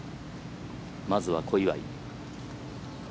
まずは小祝。